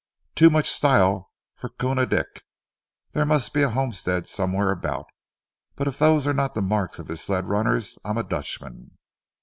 "Too much style for Koona Dick. There must be a homestead somewhere about, but if those are not the marks of his sled runners I'm a dutchman."